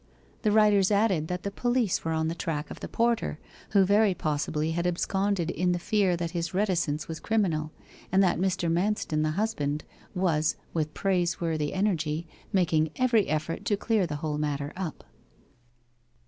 The writers added that the police were on the track of the porter, who very possibly had absconded in the fear that his reticence was criminal, and that Mr. Manston, the husband, was, with praiseworthy energy, making every effort to clear the whole matter up.